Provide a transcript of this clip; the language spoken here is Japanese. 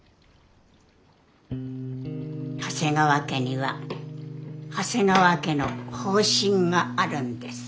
長谷川家には長谷川家の方針があるんです。